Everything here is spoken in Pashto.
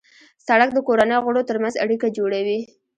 سړک د کورنۍ غړو ترمنځ اړیکه جوړوي.